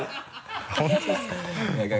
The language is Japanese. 本当ですか？